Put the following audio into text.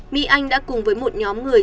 mỹ anh đã cùng với một nhóm người